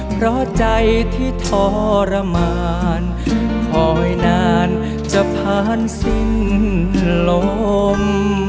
เพราะใจที่ทรมานคอยนานจะผ่านสิ้นลม